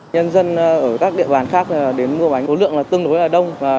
nhân dân ở các địa bàn khác đến mua bánh số lượng tương đối là đông